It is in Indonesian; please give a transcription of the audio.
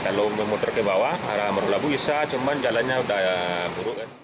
kalau memotor ke bawah marula bu bisa cuman jalannya sudah buruk